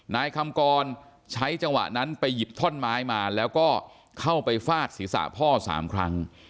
นายคำกรใช้จังหวะนั้นไปหยิบท่อนไม้มาแล้วก็เข้าไปฟาดศีรษะพ่อ๓ครั้ง